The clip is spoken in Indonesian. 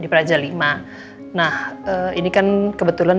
n seperti kebinatangan kita dulu